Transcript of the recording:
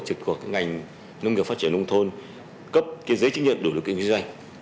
trực của các ngành nông nghiệp phát triển nông thôn cấp cái giấy chứng nhận đủ được kinh doanh